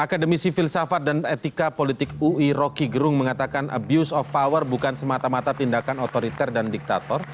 akademisi filsafat dan etika politik ui rocky gerung mengatakan abuse of power bukan semata mata tindakan otoriter dan diktator